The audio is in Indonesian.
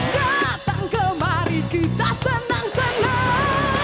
datang kemari kita senang senang